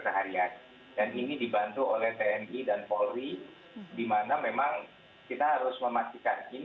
dan ini dibantu oleh tni dan polri di mana memang kita harus memastikan